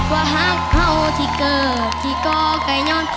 วระหักเท่าที่เกิดที่ก่อไปยอด